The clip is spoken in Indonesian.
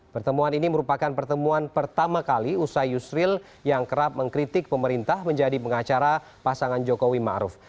pertemuan ini merupakan pertemuan pertama kali usai yusril yang kerap mengkritik pemerintah menjadi pengacara pasangan jokowi ⁇ maruf ⁇